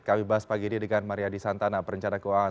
kami bahas pagi ini dengan mariadi santana perencana keuangan